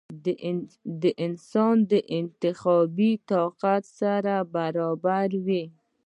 د انسان د انتخابي طاقت سره برابروې ؟